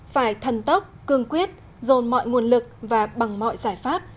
phải thần tốc cương quyết dồn mọi nguồn lực và bằng mọi giải pháp